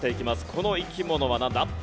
この生き物はなんだ？